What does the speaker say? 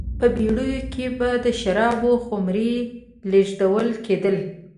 په بېړیو کې به د شرابو خُمرې لېږدول کېدلې